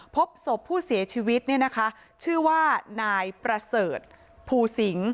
พบศพผู้เสียชีวิตเนี่ยนะคะชื่อว่านายประเสริฐภูสิง